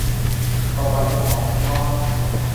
各位同學午安